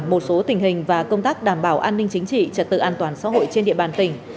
một số tình hình và công tác đảm bảo an ninh chính trị trật tự an toàn xã hội trên địa bàn tỉnh